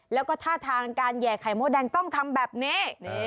แล้วก็ท่าทางการแห่ไข่มดแดงต้องทำแบบนี้